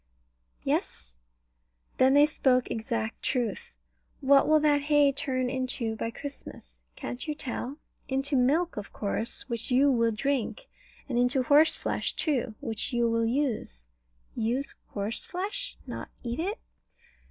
Yes. Then they spoke exact truth. What will that hay turn into by Christmas? Can't you tell? Into milk, of course, which you will drink; and into horseflesh too, which you will use. Use horseflesh? Not eat it?